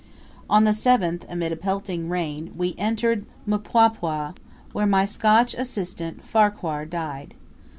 On the 7th, amid a pelting rain, we entered Mpwapwa, where my Scotch assistant, Farquhar, died.